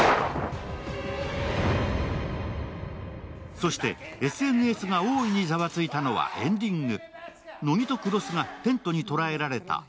そして、ＳＮＳが大いにざわついたのはエンディング。